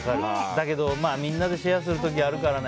だけどみんなでシェアする時あるからね。